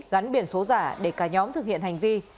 gắn biển số giả để cả nhóm thực hiện hành vi